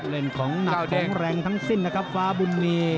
เล่นของหนักของแรงทั้งสิ้นนะครับฟ้าบุญมี